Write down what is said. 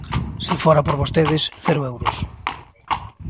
Se fora por vostedes, cero euros.